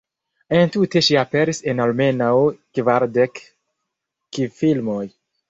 En tute ŝi aperis en almenaŭ kvardek kinfilmoj.